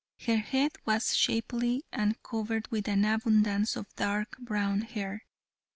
Her head was shapely and covered with an abundance of dark brown hair.